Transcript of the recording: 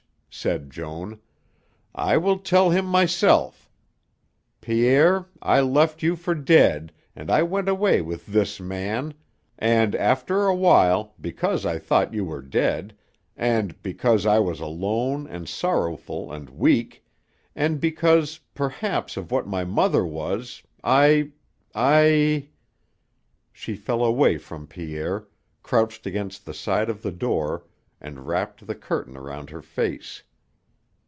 said Joan; "I will tell him myself. Pierre, I left you for dead and I went away with this man, and after a while, because I thought you were dead, and because I was alone and sorrowful and weak, and because, perhaps, of what my mother was, I I " She fell away from Pierre, crouched against the side of the door, and wrapped the curtain round her face.